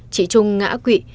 chị trung ngã quỵ